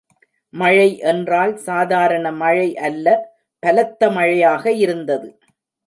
மழை என்றால் சாதாரண மழை அல்ல பலத்த மழையாக இருந்தது.